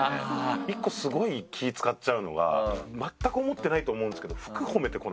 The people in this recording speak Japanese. １個スゴい気使っちゃうのが全く思ってないと思うんですけど。